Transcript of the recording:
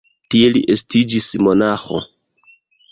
Tie li estiĝis monaĥo.